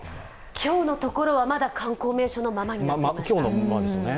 今日のところは、まだ観光名所のままになっていました。